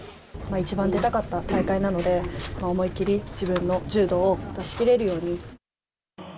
一番出たかった大会なので、思い切り自分の柔道を出しきれるように。